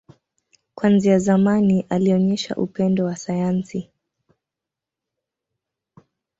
Kuanzia zamani, alionyesha upendo wa sayansi.